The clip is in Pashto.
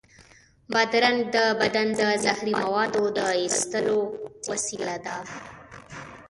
بادرنګ د بدن د زهري موادو د ایستلو وسیله ده.